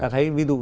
thấy ví dụ